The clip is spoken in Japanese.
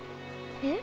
え？